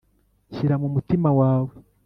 Nshyira mu mutima wawe,